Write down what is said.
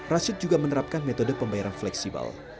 rashid juga menerapkan metode pembayaran fleksibel